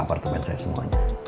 di apartemen saya semuanya